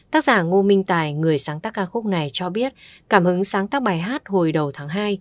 tác giả ngô minh tài người sáng tác ca khúc này cho biết cảm hứng sáng tác bài hát hồi đầu tháng hai